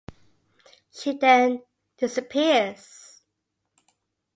She then disappears.